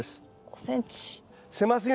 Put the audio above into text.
５ｃｍ。